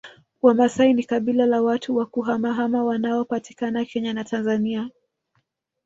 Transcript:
Wamasai ni kabila la watu wa kuhamahama wanaopatikana Kenya na Tanzania